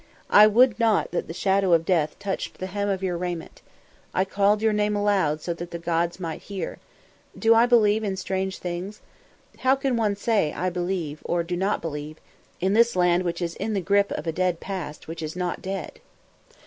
"I would not that the shadow of death touched the hem of your raiment. I called your name aloud so that the gods might hear. ... Do I believe in such strange things? How can one say, I believe, or do not believe, in this land which is in the grip of a dead past which is not dead?"